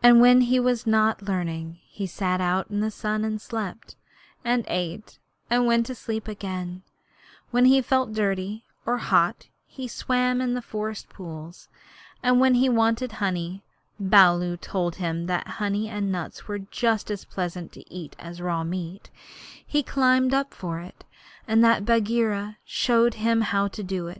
When he was not learning he sat out in the sun and slept, and ate and went to sleep again; when he felt dirty or hot he swam in the forest pools; and when he wanted honey (Baloo told him that honey and nuts were just as pleasant to eat as raw meat) he climbed up for it, and that Bagheera showed him how to do.